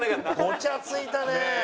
ごちゃついたね。